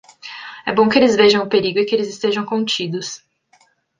É bom que eles vejam o perigo e que eles estejam contidos.